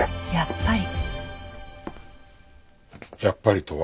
やっぱり。